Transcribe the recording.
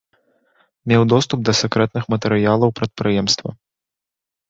Меў доступ да сакрэтных матэрыялаў прадпрыемства.